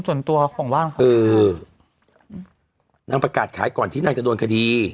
ส่วนตัวของบ้านเขาคือนางประกาศขายก่อนที่นางจะโดนคดี